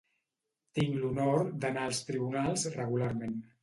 Tinc l'honor d'anar als tribunals regularment.